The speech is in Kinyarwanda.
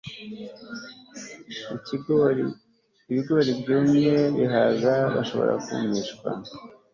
ibigori byumye Ibihaza bishobora kumishwa